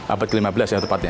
abad ke lima belas ya tepatnya